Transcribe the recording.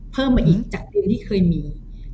เพิ่มมาอีกจากเดิมที่เคยมี